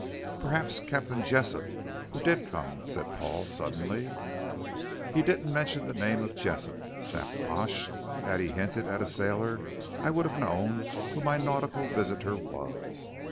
"Perhaps Captain Jessop, who did come," said Paul, suddenly. "He didn't mention the name of Jessop," snapped Pash. "Had he hinted at a sailor I would have known who my nautical visitor was."